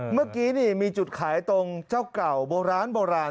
เมื่อกี้มีจุดขายตรงเจ้าเก่าโบราณใช่ไหม